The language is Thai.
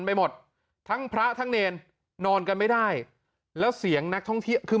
ไปหมดทั้งพระทั้งเนรนอนกันไม่ได้แล้วเสียงนักท่องเที่ยวคือ